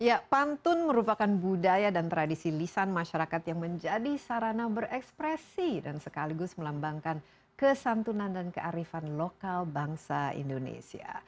ya pantun merupakan budaya dan tradisi lisan masyarakat yang menjadi sarana berekspresi dan sekaligus melambangkan kesantunan dan kearifan lokal bangsa indonesia